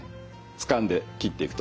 つかんで切っていくと。